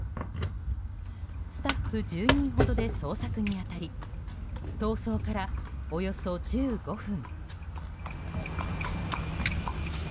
スタッフ１０人ほどで捜索に当たり逃走からおよそ１５分。